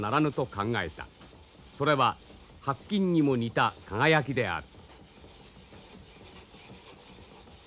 それは白金にも似た輝きである。